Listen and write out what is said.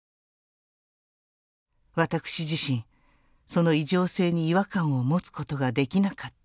私自身、その異常性に違和感を持つことができなかった。」